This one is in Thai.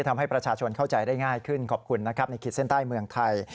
ทำให้ประชาชนเข้าใจได้ง่ายขึ้นขอบคุณนะครับในขีดเส้นใต้เมืองไทย